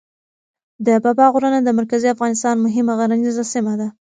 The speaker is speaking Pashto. د بابا غرونه د مرکزي افغانستان مهمه غرنیزه سیمه ده.